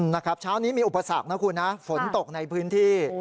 นะครับเช้านี้มีอุปสรรคนะคุณนะฝนตกในพื้นที่